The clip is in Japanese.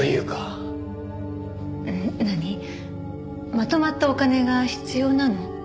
まとまったお金が必要なの？